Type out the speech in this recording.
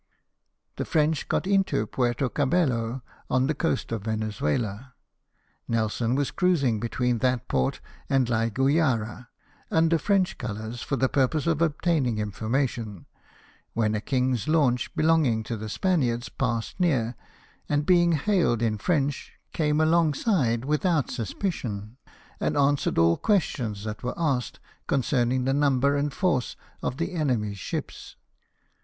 The French got into Puerto Cabello on the coast of Venezuela. Nelson was cruising between that port and La Guayra, under French colours, for the RETURN TO LONDON. 29 purpose of obtaining information, when a king's launch, belonging to the Spaniards, passed near, and being hailed in French, came alongside without suspicion, and answered all questions that were asked concerning the number and force of the enemy's ships.